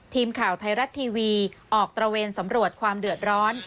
ทีมข่าวไทยรัฐทีวีออกตระเวนสำรวจความเดือดร้อน